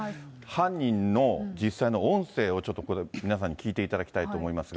犯人の実際の音声をちょっとこれ、皆さんに聞いていただきたいと思いますが。